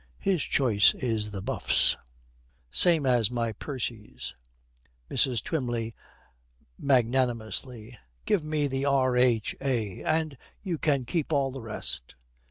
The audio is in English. His choice is the Buffs, same as my Percy's.' MRS. TWYMLEY, magnanimously, 'Give me the R.H.A. and you can keep all the rest.'